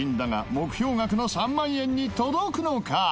目標額の３万円に届くのか？